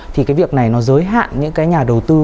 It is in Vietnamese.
thì cái việc này nó giới hạn những cái nhà đầu tư